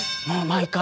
毎回。